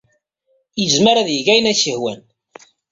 Yezmer ad yeg ayen ay as-yehwan.